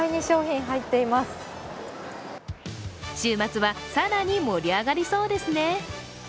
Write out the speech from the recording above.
週末は更に盛り上がりそうですね。